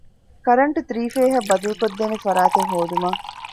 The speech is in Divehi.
ކަރަންޓް ތުރީފޭހަށް ބަދަލުކޮށްދޭނެ ފަރާތެއް ހޯދުމަށް